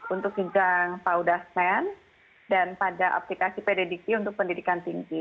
untuk gigang paudasmen dan pada aplikasi pddq untuk pendidikan tinggi